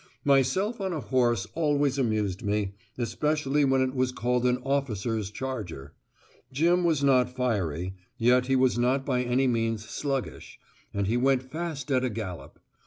Myself on a horse always amused me, especially when it was called an "officer's charger." Jim was not fiery, yet he was not by any means sluggish, and he went fast at a gallop.